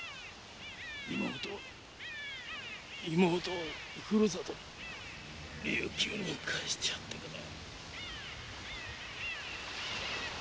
妹を妹を故郷に琉球に帰してやってくれ。